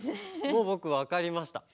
もうぼくわかりました。